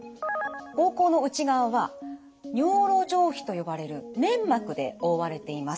膀胱の内側は尿路上皮と呼ばれる粘膜で覆われています。